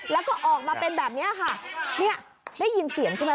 แล้วก็ออกมาเป็นแบบนี้ค่ะเนี่ยได้ยินเสียงใช่ไหม